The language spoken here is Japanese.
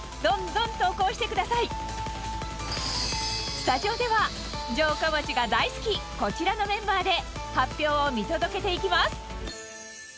スタジオでは城下町が大好きこちらのメンバーで発表を見届けていきます。